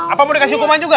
apa mau dikasih hukuman juga